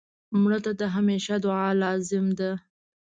مړه ته د همېشه دعا لازم ده